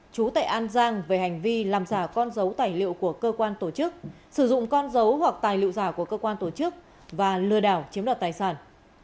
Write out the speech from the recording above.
chú tại an giang về hành vi làm giả con dấu tài liệu của cơ quan tổ chức sử dụng con dấu hoặc tài liệu giả của cơ quan tổ chức và lừa đảo chiếm đoạt tài sản